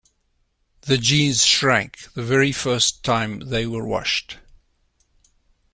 The jeans shrank the very first time they were washed.